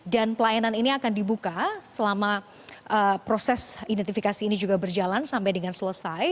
dan pelayanan ini akan dibuka selama proses identifikasi ini juga berjalan sampai dengan selesai